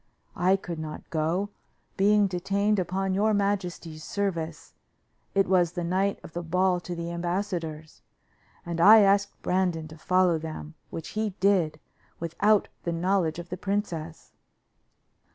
I could not go, being detained upon your majesty's service it was the night of the ball to the ambassadors and I asked Brandon to follow them, which he did, without the knowledge of the princess.